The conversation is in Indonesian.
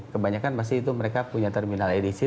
kebanyakan masih itu mereka punya terminal edisi